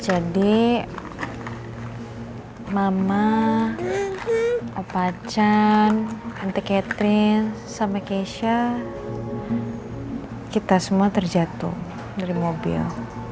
jadi mama opacan anti catering sama keisha kita semua terjatuh dari mobil